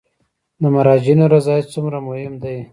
د مراجعینو رضایت څومره مهم دی؟